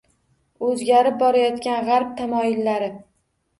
O‘zgarib borayotgan g‘arb tamoyillari